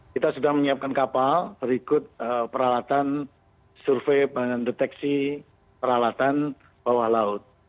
kita sudah menyiapkan kapal berikut peralatan survei dan deteksi peralatan bawah laut